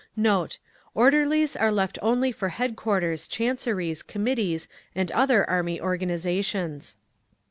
Note.—Orderlies are left only for headquarters, chanceries, Committees and other Army organisations.